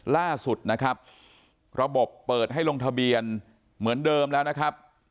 ล่าสุดนะครับระบบเปิดให้ลงทะเบียนเหมือนเดิมแล้วนะครับ